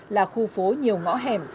là khu phố nhiều ngõ hẻm